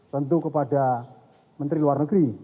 tentu kepada menteri luar negeri